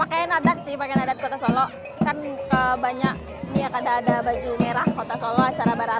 pakaian adat sih pakaian adat kota solok kan banyak ini ada baju merah kota solok acara barara juga